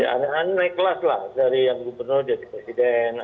jadi ani ani naik kelas lah dari yang gubernur jadi presiden